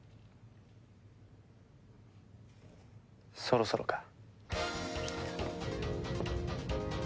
そろそろか。